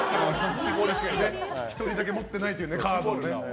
１人だけ持ってないというねカードをね。